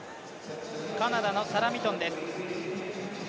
カナダのサラ・ミトンです。